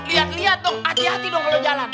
lihat lihat dong hati hati dong kalau jalan